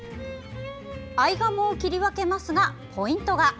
合鴨を切り分けますがポイントが。